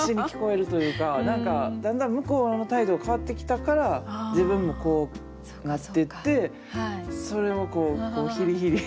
何かだんだん向こうの態度が変わってきたから自分もこうなってってそれをこう「ひりひり」。